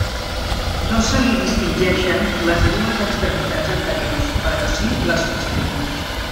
No se li distingeixen les dues extremitats anteriors però si les posteriors.